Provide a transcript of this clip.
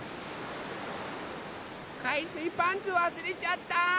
かいすいパンツわすれちゃった。